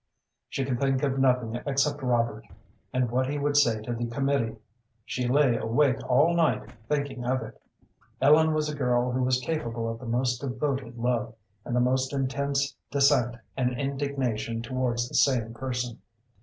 She could think of nothing except Robert, and what he would say to the committee. She lay awake all night thinking of it. Ellen was a girl who was capable of the most devoted love, and the most intense dissent and indignation towards the same person.